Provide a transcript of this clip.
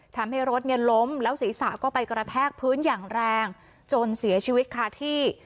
ทำให้รถเนี่ยล้มแล้วศีรษะก็ไปกระแทกพื้นอย่างแรงจนเสียชีวิตคาที่